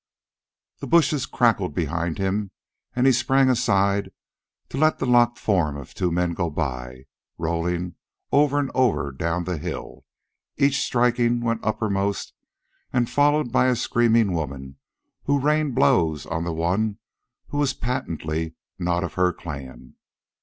The bushes crackled behind him, and he sprang aside to let the locked forms of two men go by, rolling over and over down the hill, each striking when uppermost, and followed by a screaming woman who rained blows on the one who was patently not of her clan.